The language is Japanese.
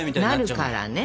なるからね。